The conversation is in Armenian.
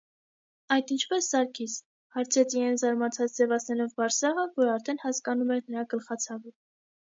- Այդ ինչպե՞ս, Սարգիս,- հարցրեց իրեն զարմացած ձևացնելով Բարսեղը, որ արդեն հասկանում էր նրա գլխացավը: